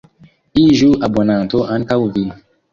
Iĝu abonanto ankaŭ vi!